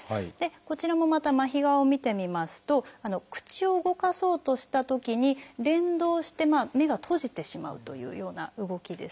こちらもまた麻痺側を見てみますと口を動かそうとしたときに連動して目が閉じてしまうというような動きですね。